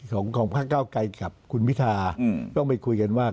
ของพระเก้าไกรกับคุณพิทาต้องไปคุยกันว่า